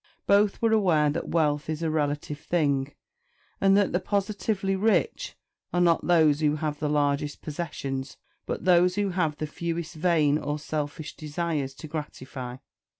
Both were aware that wealth is a relative thing, and that the positively rich are not those who have the largest possessions but those who have the fewest vain or selfish desires to gratify.